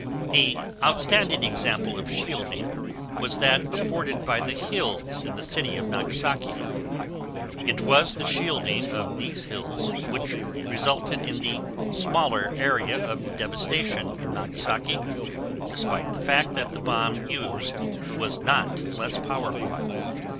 The outstanding example of shielding was that afforded by the hills in the city of Nagasaki; it was the shielding of these hills which resulted in the smaller area of devastation in Nagasaki despite the fact that the bomb used there was not less powerful.